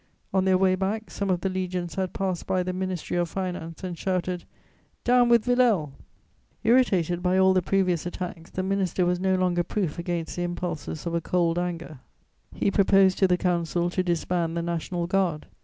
On their way back, some of the legions had passed by the Ministry of Finance and shouted: "Down with Villèle!" [Sidenote: The National Guard.] Irritated by all the previous attacks, the minister was no longer proof against the impulses of a cold anger; he proposed to the Council to disband the National Guard.